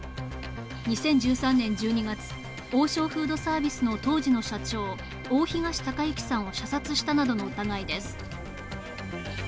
２０１３年１２月、王将フードサービスの当時の社長、大東隆行さんを射殺したなどの疑いです。